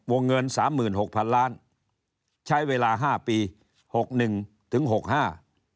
เงินสามหมื่นหกพันล้านใช้เวลาห้าปีหกหนึ่งถึงหกห้า